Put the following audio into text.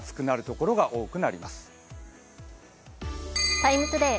「ＴＩＭＥ，ＴＯＤＡＹ」